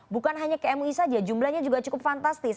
bukan hanya ke mui saja jumlahnya juga cukup fantastis